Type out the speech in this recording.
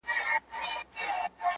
تا کاسه خپله وهلې ده په لته!